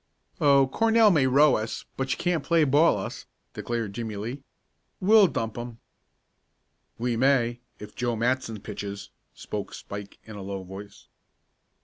"Oh, Cornell may row us but she can't play ball us," declared Jimmie Lee. "We'll dump 'em." "We may if Joe Matson pitches," spoke Spike, in a low voice.